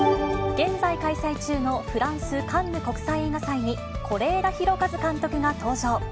現在開催中のフランス・カンヌ国際映画祭に、是枝裕和監督が登場。